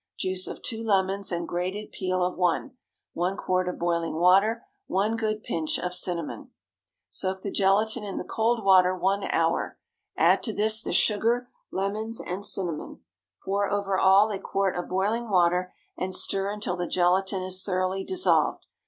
Juice of two lemons and grated peel of one. 1 quart of boiling water. 1 good pinch of cinnamon. Soak the gelatine in the cold water one hour. Add to this the sugar, lemons, and cinnamon; pour over all a quart of boiling water, and stir until the gelatine is thoroughly dissolved.